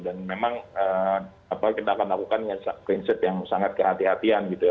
dan memang kita akan melakukan dengan prinsip yang sangat kehatian gitu ya